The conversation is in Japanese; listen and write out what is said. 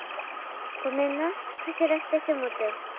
ごめんな走らしてしもて。